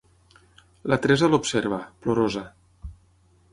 La Teresa l'observa, plorosa.